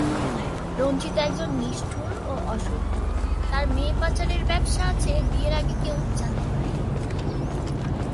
রঞ্জিত একজন নিষ্ঠুর ও অসৎ লোক, তার মেয়ে পাচারের ব্যবসা আছে বিয়ের আগে কেউ জানতে পারেনি।